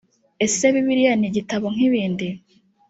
ese bibiliya ni igitabo nk’ibindi‽